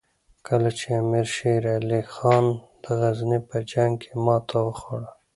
کله چې امیر شېر علي خان د غزني په جنګ کې ماته وخوړه.